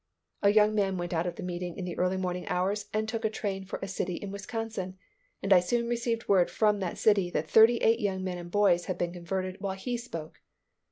A young man went out of the meeting in the early morning hours and took a train for a city in Wisconsin, and I soon received word from that city that thirty eight young men and boys had been converted while he spoke.